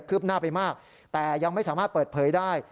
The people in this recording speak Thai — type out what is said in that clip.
ืบหน้าไปมากแต่ยังไม่สามารถเปิดเผยได้